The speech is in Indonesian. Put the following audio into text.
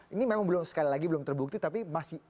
ini memang belum sekali lagi belum terbukti tapi masih